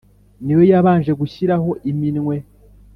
ni yo yabanje gushyiraho iminwe